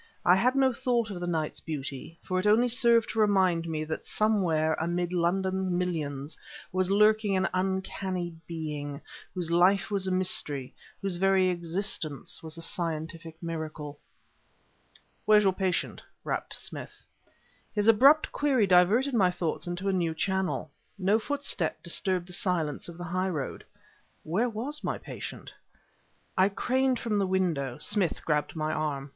I had no thought of the night's beauty, for it only served to remind me that somewhere amid London's millions was lurking an uncanny being, whose life was a mystery, whose very existence was a scientific miracle. "Where's your patient?" rapped Smith. His abrupt query diverted my thoughts into a new channel. No footstep disturbed the silence of the highroad; where was my patient? I craned from the window. Smith grabbed my arm.